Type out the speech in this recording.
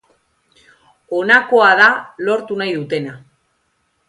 Honakoa da lortu nahi dutena.